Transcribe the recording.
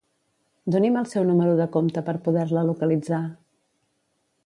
Doni'm el seu número de compte per poder-la localitzar.